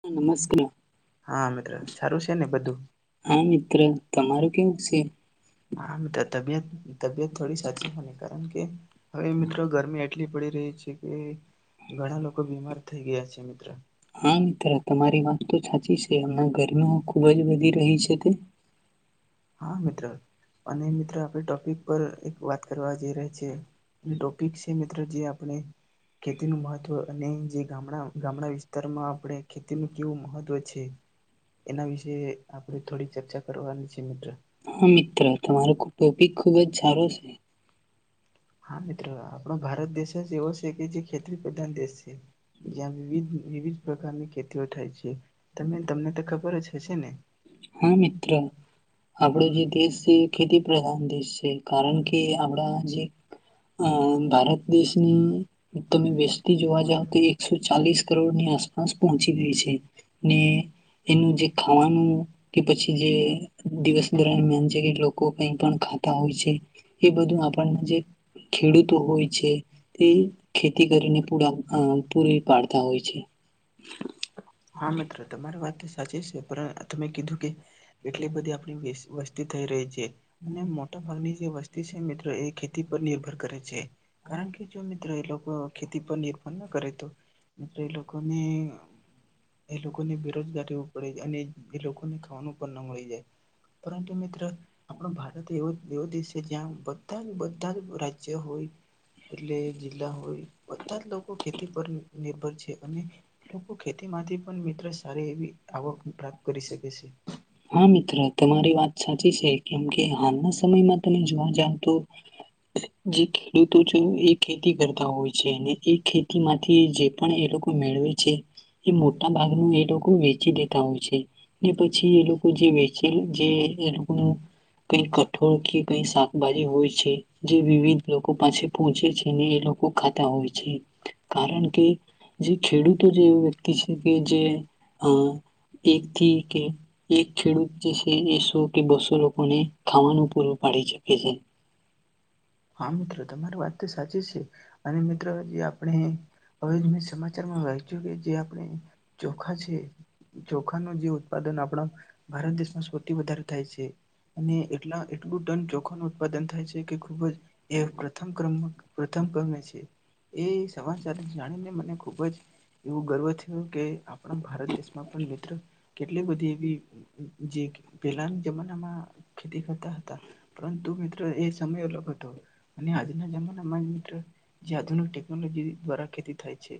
હ નમસ્કાર હા મિત્ર તમારું કેવું છે? આમ તો તબિયત તબિયત થોડી સાચાવાની કારણ કે હવે મિત્રો ગરમી એટલી પડીી રહી છે કે હા મિત્ર તમારી વાત તો [unintelligible] એમ ગરમી ખુબ જ રહી છે તે હા મિત્રો, અને મિત્ર આપણે ટોપિક પર એક વાત. કરવાવા જઈ રહ્યા છે. ટોપિક છે મિત્રો જે આપણે ખેતીનું મહત્વ અને જે. ગામડા ગામડા વિસ્તારમાં. આપણે ખેતી નું કેવું મહત્વ. પછી. એના વિશેે આપડે થોડીક ચર્ચા કરવાની. કે [unintelligible] હા મિત્ર તમારો ટોપિક ખુબ જ સારો છે. હા મિત્ર. આપણો ભારત દેશ જ એવો છે કે જે ખેતી પ્રધાન દેશ છે. જ્યાં વિવિધ વિવિધ. પ્રકારની ખેતી ઓ થાય છે. હા મિત્ર આપડો જે દેશ છે એ ખેતી પ્રધાન દેશ છે, કારણ કે આપણા જે. અ ભારત દેશની તમે વસતી જોવા જાવ તો એકસો ચાલીસ કરોડની આસપાસ પહોંચી ગઈ છે. ને. એનું જે ખાવાનું કે પછી જે દિવસ. દરમિયાન છે કે લોકો કઈ પણ ખાતા હોય છે, એ બધું આપણને જે ખેડૂતો હોય છે, તે ખેતી કરીને પૂરા પૂરી પાડતા હોય છે. હા મિત્રો તમારી વાત છે. સાચી પણ તમે કીધું કે. એટલી બધી આપણી વસ્ત. સ્તી થઈ રહી છે. અને મોટા ભાગની જે વસ્તી છે મિત્રો એ. તી પર નિર્ભર કરે છે. કારણ કે, જો મી ત્ર એ લોકો ખેતી પર નિર્ભર ન કરે તો મિત્ર એ લોકોને એ લોકોને બેરોજગાર રેવું પળે અને એ લોકોને ખાવાનું પણ ન મળી જાય. પરંતુ મિત્ર આપણો ભારત એવો એવો દેશ છે જ્યાં, બધા જ બધા જ રાજ્ય હોય એટલે જિલ્લા હોય. બધા જ લોકો ખેતી પર નિર્ભર છે અને લોકો ખેતીમાં થી પણ મિત્ર સારી એવી આવક પ્રાપ્ત કરી શકે છે. કેમ કે, હાલના સમયમાં તમે જોવા જાવ તો જે ખેડૂતો છે, એ ખેતી કરતા હોય છે. એને એ ખેતી માંથી જે પણ એ લોકો મેળવે છે, એ મોટા ભાગનું એ લોકો વેચી દેતા હોય છે. ને પછી એ લો કો જે વેચે જે એ લોકોનું કઈ કઠોળ કે, કઈ શાકભાજી હોય છે. જે વિવિધ લોકો પાસે પહોંચે છે ને એ લોકો ખાતા હોય છે. કારણ કે, જે ખેડૂતો જે એ વ્યક્તિ છે કે જે અ એકથી કે એક ખેડૂત જે છે એ સો કે બસો લોકોને ખાવાનું પૂરું પાડી શકે છે. હા, મિત્ર તમારી વાત તો સાચી છે. અને મિત્ર જે આપણે હવે મેં સમાચારમાં વાચ્યું કે જે આ પણે ચોખા છે. ચોખાનું જે ઉત્પાદન આપણા ભારત દેશમાં સૌથી વધારે થાય છે અને એટલા એટલું ટન ચોખા નું ઉત્પાદન થાય છે કે ખુબ જ એ પ્રથમ ક્રમક, પ્રથમ ક્રમે છે, એ સમાચાર જાણીને મને ખૂબ જ એવું ગર્વ થ્યું કે આપણા ભારત દેશમાં પણ મિત્ર કેટલી બધી એવી જે પેલાના જમાનામાં ખેતી કરતા હતા, પરંતુ મિત્ર એ સમય અલગ હતો. અને આજના જમાનામાં મિત્ર જે આધુનિક ટેકનોલોજી દ્વારા ખેતી થાય છે.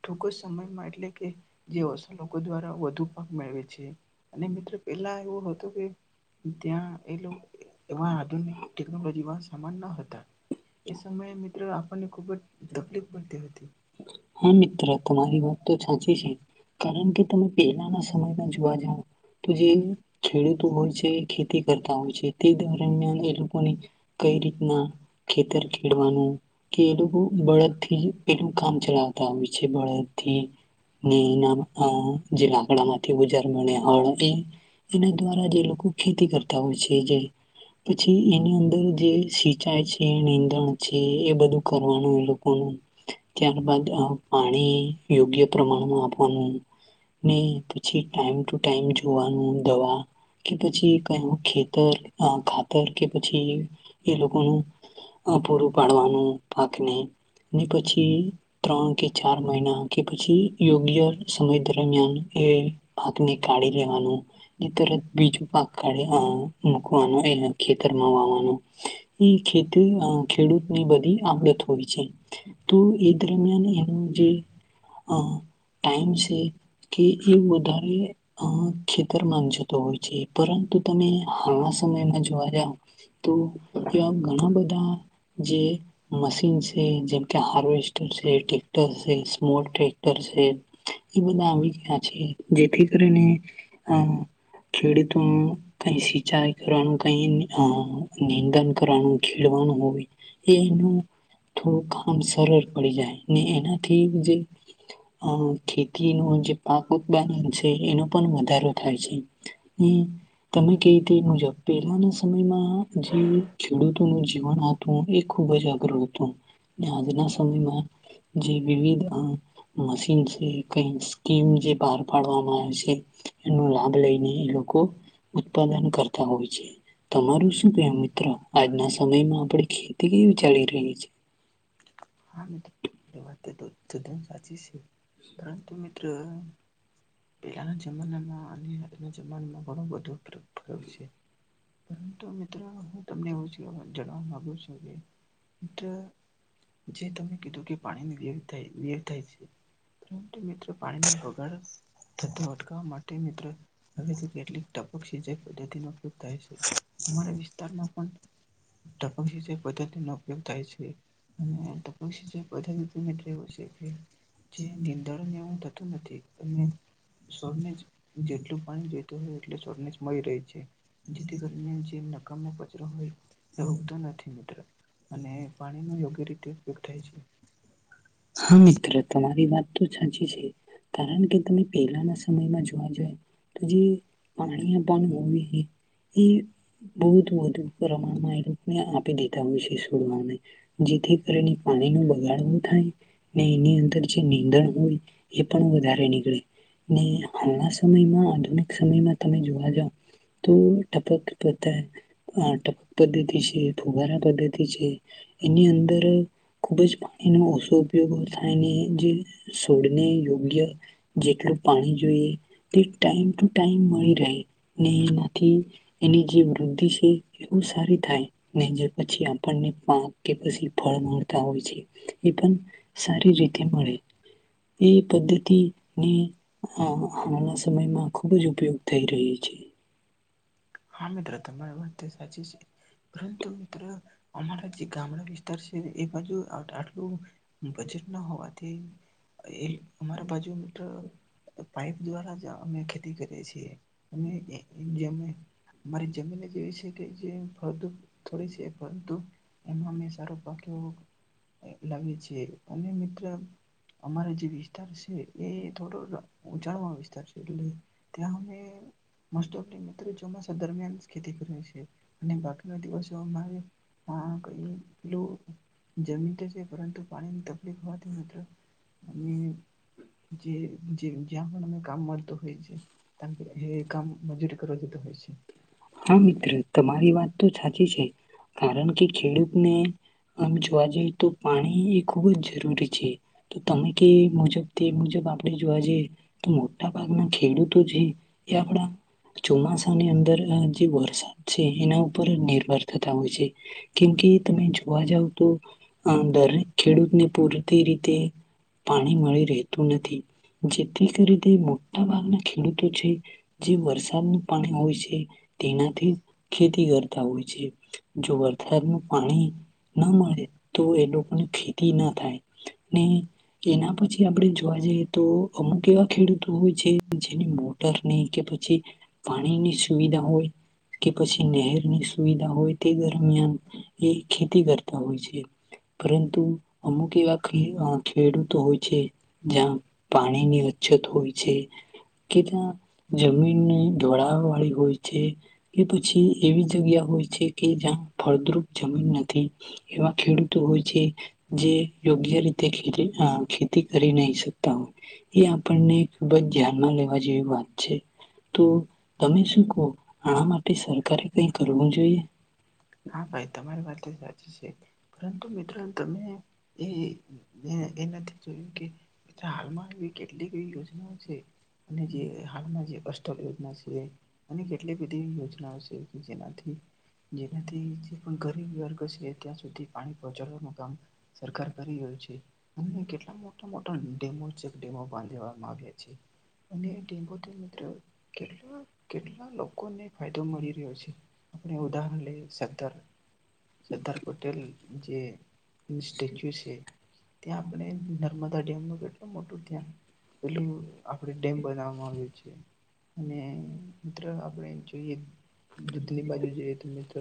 ટૂક જ સમયમાં એટલે કે, જે ઓસા લોકો દ્વારા વધુ પાક મેળવે છે અને મિત્ર પેલા એવુ હતું કે ત્યાં એ લોક એવા આધુનિક ટેકનોલોજીમાં સામાન ન હ તા, એ સમયે મિત્ર આ પણને ખુબ જ તકલીફ પડતી હતી. હા મિત્ર, તમારી વાત તો સાચી છે. કારણ કે, તમે પેલાના સમયમાં જોવા જાવ, તો જે ખેડૂતો હોય છે ખેતી કરતા હોય છે. તે દર રમિયાન એ લોકો ને કઈ રીતના ખેતર ખેડવાનું, કે એ લોકો બળદ થી પેલું કામ ચલાવતા આવે છે બળદથી ને એના અ જે લાકડામાંથી, ઓજાર મળે હળ ને એના દ્વારા જે લોકો ખેતી કરતા હોય છે. જે પછી એની અંદર જે સિંચાઈ છે, નીંદણ છે એ બધું કરવાનું એ લોકોનું. ત્યારબાદ, આ પાણી યોગ્ય પ્રમાણમાં આપવાનું, ને પછી ટાઈમ ટુ ટાઈમ જોવાનું દવા, કે પછી કયુ ખેતર અ ખાતર કે પછી એ લોકોનું અ પૂરું પાડવાનું પાકને ને પછી ત્રણ કે ચાર મહિના કે પછી યોગ્ય સમય દરમિયાન એ પાકને કાઢી લેવાનો, ને તરત બીજું પાક કાઢે હા મુકવાનો એને ખેતરમાં વાવાનો. એ ખેતુ અ ખેડૂતની બધી આવડત હોય છે. તો એ દરમિયાન એનો જે અ ટાઈમ છે કે, એ વધારે અ ખેતરમાં જતો હોય છે. પરંતુ તમે હાલના સમયમાં જોવા જાવ તો, એવા ઘણા બધા જે મશીન છે જેમકે હાર્વેસ્ ટર છે, ટેક્ટર સે, સ્મોલ ટ્રેક્ટર સે. એ બધા આવી ગયા છે. જેથી કરીને અ ખેડૂતો કઈ સિંચાઈ કરવાનું, કય અ નિંદન કરવાનું, ખેડવાનું હોય એ એનું થોડું કામ સરળ પડી જાય ને એનાથી જે અ ખેતી નું જે પાક ઉત્પાદન છે એનો પણ વધારો થાય છે. ને તમે કેય તે મુજબ પહેલાના સમયમાં જે ખેડૂતોનું જીવન હતું, એ ખુબ જ અઘરું હતું, ને આજના સમ સમય મા જે વિવિધ મશીન છે, કય સ્કીમ જે બાર પાડવામાં આવે છે એનો લાભ લઈને એ લોકો ઉત્પાદન કરતા હોય છે. તમારુ શું કહેવું મિત્ર, આજના સમયમાં આપડી ખેતી કેવી ચાલી રહી છે? હમ્મ તદન સાચી છે, પરંતુ મિત્ર પહેલાના જમાનામાં અને આજના જમાનામાં ઘણો બધો ફરક પડયો છે, પરંતુ મિત્ર હું તમને એવું ક જણાવા માંગુ છું કે મિત્ર જે તમે કીધું કે પાણીની ગેર થાય વી અ થાય છે. પરંતુ, મિત્ર પાણીનો બગાડ થતો અટકાવવા માટે તે મિત્ર હવે તો કેટલીક ટપક સિંચાઈ પદ્ધતિ નો ઉપયોગ થાય છે. અમારા વિસ્તારમાં પણ ટપક સિંચાઇ પદ્ધતિ નો યોગ થાય છે. ને ટપક સિંચ પધ [unintelligible] જે નિંદણ એવું થતું નથી, અને છોડને જ જેટલું પાણી જોઈતું હોય એટલું છોડને જ મળી. રહી છે. જેથી કરી જે નકામો કચરો હોય, તે ઉગતો નથી મિત્ર, અને પાણી ન યોગ્ય રીતે ઉપ થાય છે. હા મિત્ર તમારી વાત તો સાચી છે, કારણ કે તમે પહેલાના સમયમાં જોવા જએ તો, જે પાણી આપવાનું હોય એ બહ વધુ પ્રમાણમાં એ લોકોને આપી દેતા હોય છે છોડવાને, જેથી કરીને પાણી નું બગાડવું થાય. એ અંદર જે નીંદણ હોય, એ પણ વધારે નીકળે, ને હાલના સમયમાં આધુનિક સમયમાં તમે જોવા જાવ, તો ટપક પઘત ટપક પદ્ધતિ છે, ફુવારા પદ્ધતિ છે, એની અંદર ખુબ જ પાણી નો ઓછો ઉપયોગો થાય ને જે સોડને યોગ્ય જેટલું પાણી જોઈએ તે ટાઈમ ટુ ટાઈમ મળી રહે, ને એમાંથી એની જે વૃદ્ધિ છે એહુ સારી થાય, ને જે પછી આપણને પાક કે પછી ફળ મળતા હોય છે, એ પણ સારી રીતે મળે. એ પદ્ધતિની આવાના સમયમાં ખૂબ જ ઉપયોગ થઈ રહિ છે. હા મિત્રો તમારી વાત સાચી છે, પરંતુ મિત્ર અમારો જે ગામડા વી તર છે એ બાજુ આટલું બજેટ ના હોવાથી, એ અમારા બાજુ મિત્ર પાઈપ દ્વારા જ અમે ખેતી કરીએ છીએ. અને જેમને મારી જમીન જેવી છે કે જે ફળદ્રૂપ થોડી છે પરંતુ એમાં અમે સારો પાક લાવીએ છીએ. અને મિત્ર અમારે જે વિસ્તાર છે. એ થોડો ઉંચાળવાળો વિસ્તાર છે એટલે ત્યાં અમે મસ્ટ આપ મિત્ર સમ [unintelligible] દરમિયાન જ ખેતી કરે છે. અને બાકીનો દિવસ જો મારી આ કઈ પેલું જમીન તો છે પરંતુ પાણીની તકલીફ હોવાથી મિત્ર મે જે જે જ્યાં પણ અમને કામ મળતું હોય છે, ત્યાં અમે કામ મજૂરી કરવા જતા હોય છે. તો સાચી છે, કારણ કે ખેડૂતને આમ જોવા જઈએ તો પાણી એ ખુબ જ જરૂરી છે, તો તમે કે મુજબ તે મુજબ આપણે જોવા જઈએ તો મોટા ભાગના ખેડૂતો જે એ આપડા ચોમાસાની અંદર જે વરસાદ એના ઉપર નિર્ભર થતા હોય છે, કેમકે તમે જોવા જાવ તો અ દરેક ખેડૂતને પૂરતી રીતે પાણી મળી રહેતું નથી, જેથી કરી તે મોટા ભાગના ખેડૂતો છે, જે વરસાદનું પાણી હોય છે. તેનાથી ખેતી કરતા હોય છે. જો વરસાદનું પાણી ન મળે તો એ લોકોને ખેતી ના થાય. ને એના પછી આપણે જોવા જઈએ તો અમુક એવા ખેડૂતો હોય છે જેની મોટર ની કે પછી, પાણીની સુવિધા હોય. કે પછી નહેરની સુવિધા હોય તે દરમિયાન એ ખેતી કરતા હોય છે. પરંતુ અમુક એવા ખય ખેડૂતો હોય છે, જ્યાં પાણીની અછત હોય છે, કે ત્યાં જમીન ઢોળાવવાળી હોય છે. કે પછી એવી જગ્યા હોય છે કે જ્યાં ફળદ્રુપ જમીન નથી, એવા ખેડૂતો હોય છે, જે યોગ્ય રીતે અ ખેતી કરી નહી શકતા હોય, એ આપણને ખૂબ જ ધ્યાનમાં લેવા જેવી વાત છે. તો તમે શું કહો? આ માટે સરકારે કઈ કરવું જોઈએ? હા ભાઈ તમારી વાત તો સાચી છે. પરંતુ મિત્ર તમે એ એ નથી જોયું કે મિત્ર હાલમાં એવી કેટલીક એવી યોજનાઓ છે. અને જે હાલમાં જે કસ્ટ્લ યોજના સિવાય અને કેટલી બધી યોજ નાઓ છે જેનાથી જેનાથી જે પણ ગરીબ વર્ગ છે ત્યાં સુધી પાણી પહોંચાડવાનું કામ સરકાર કરી રહ્યું છે. અને કેટલા મો મોટા ડેમો, ચેક ડેમો બાંધજવા માગે છે. અને [unintelligible] [inaudible] કેટલા કેટલા લોકોને ફાયદો મળી રહ્યો છે. આપણે ઉદાહરણ લઈ સ સરદાર સરદાર પટેલ જે સ્ટેચ્યુ છે ત્યાં આપણે નર્મદા ડેમ નું કેટલું મોટું ત્યાં પેલું આપડે ડેમ બનાવામાં આવ્યું છે. અને મિત્ર આપણે જોઈએ દૂધની બાજુ જોઈએ તો મિત્રો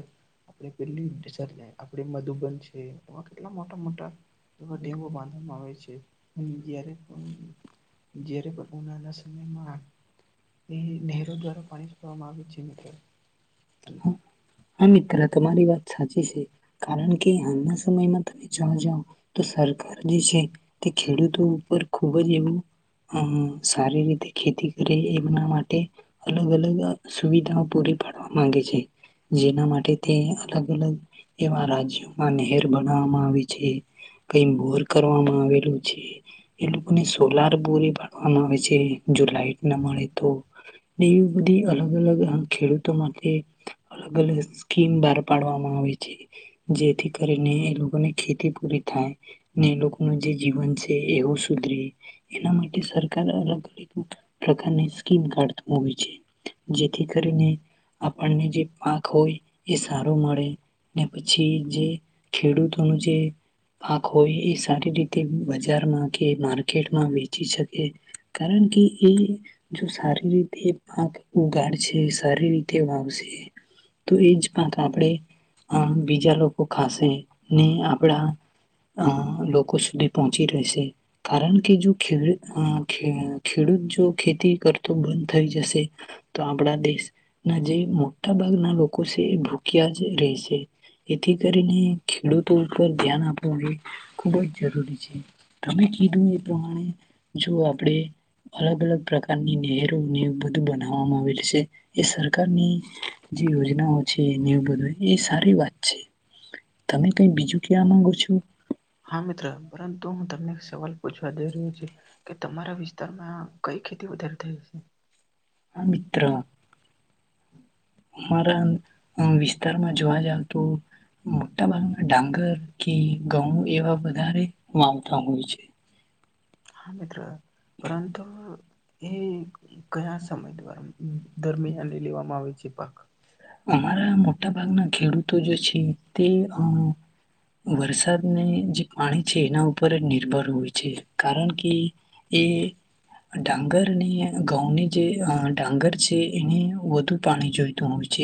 આપરે પેલી સ આપડે, મધુબન છે, એવા ડેમો બાંધવામાં આવે છે. જ્યારે પણ જ્યારે પણ ઉનાળાના સમયમાં તે નહેરો દ્વારા પાણી છોડવામાં આવ્યું પચી મીટર હા મિત્ર, તમારી વાત સાચી છે. કારણ કે હાલના સમયમાં તમે જોવા જાઓ, તો સરકાર જે છે, તે ખેડૂતો ઉપર ખૂબ જ એવું અં સારી રીતે ખેતી કરે એમના માટે અલગ અલગ સુવિધાઓ પૂરી પાડવાનું માંગે છે. જેના માટે તે અલગ અલગ એવા રાજ્યોમાં નહેર બનાવામાં આવે છે, કે બોર કરવામાં આવેલું છે. એ લોકોને સોલાર પૂરી પાડવામાં આવે છે, જો લાઈટ ના મળે તો. એવી બધી અલગ-અલગ ખેડૂતો માટે એ અલગ અલગ સ્કીમ બહાર પાડવામાં આવે છે. જેથી કરીને એ લોકોને ખેતી પૂરી થાય, ને એ લોકોનું જે જીવન છે એવું સુધરે. એના માટે સરકાર અલગ અલગ પ્રકારની સ્કીમ કાઢતા હોય છે. જેથી કરીને આપણને જે પાક હોય, એ સારો મળે ને પછી, જે ખેડૂતોનું જે પાક હોય એ સારી રીતે બજારમાં કે માર્કેટમાં વેચી શકે. કારણ કે એ, જો સારી રીતે એ પાક ઉગાડશે સારી રીતે તે વાવશે, તો એ જ પાક આપણે અ બીજા લોકો ખાશે, ને આપણા અ લોકો સુધી પહોંચી રહેશે. કારણ કે જો ખેડૂત ખ ખેડૂત જો ખેતી કરતો બંધ થઈ જશે તો આપણા દેશ ના જે મોટ્ટા ભાગના લોકો છે એ ભૂક્યા જ રેહશે. એથી કરીને ખેડૂતો ઉપર ધ્યાન આપવું, એ ખુબ જ જરૂરી છે. તમે કીધું એ પ્રમાણે જો આપડે અલગ અલગ પ્રકારની નહેરોને એવું બધું બનાવવામાં આવેલ છે એ સર કારની જે યોજનાઓ છે, ને એવું બધું, એ સારી વાત છે. તમે કંઈ બીજું કેવા માંગો છો? તો હું તમને સવાલ પૂછવા જઈ રહ્યો છું, કે તમારા વિસ્તારમાં કઈ ખેતી વધારે થઈ છે? હા મિત્ર અમારા અં વિસ્તારમાં જોવા જાવ તો મોટ્ટા ભાગમાં ડાંગર કે ઘઉં એવા વધારે વાવતા હોય છે. [inaudible] કયા સમય દ્વાર અ દરમિયાન એ લેવામાં આવે છે? પખ અમારા મોટા ભાગના ખેડૂતો જે છે, તે અ વરસાદને જે પાણી છે એના ઉપર જ નિર્ભર હોય છે. કારણ કે, એ ડાંગરને ઘઉંને જે અ ડાંગર છે એને વધુ પાણી જોઈતું હોય છે.